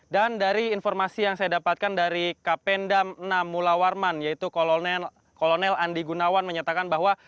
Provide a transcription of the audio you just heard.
dan dari informasi yang saya dapatkan dari kapendam enam mula warman yaitu kolonel andi gunawan menyatakan bahwa